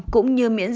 cũng như miễn dịch